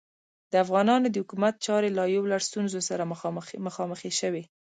د افغانانو د حکومت چارې له یو لړ ستونزو سره مخامخې شوې.